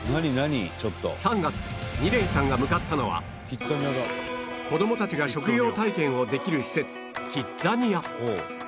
３月仁禮さんが向かったのは子どもたちが職業体験をできる施設キッザニア